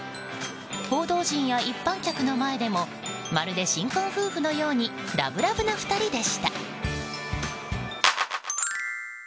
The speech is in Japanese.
報道陣や一般客の前でもまるで新婚夫婦のようにラブラブな２人でした。